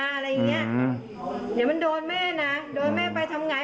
อะไรอย่างเงี้ยเดี๋ยวมันโดนแม่นะโดนแม่ไปทำไง